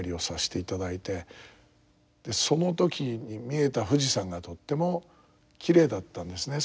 その時に見えた富士山がとってもきれいだったんですね